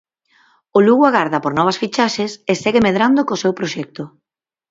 O Lugo agarda por novas fichaxes e segue medrando co seu proxecto.